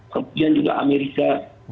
kemudian juga amerika